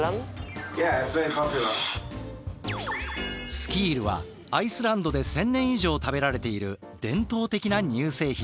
スキールはアイスランドで１，０００年以上食べられている伝統的な乳製品。